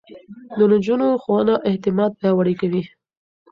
د نجونو ښوونه اعتماد پياوړی کوي.